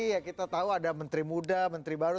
ya kita tahu ada menteri muda menteri baru